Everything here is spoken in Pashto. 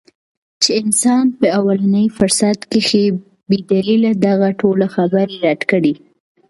چې انسان پۀ اولني فرصت کښې بې دليله دغه ټوله خبره رد کړي -